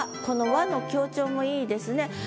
この「は」の強調もいいですね。